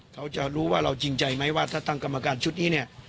เขาจะรู้ว่าเราจริงใจไหมว่าถ้าตั้งกรรมการชุดนี้เนี่ย